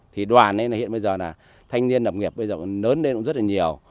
thì đoàn hiện bây giờ là thanh niên đập nghiệp bây giờ lớn lên cũng rất là nhiều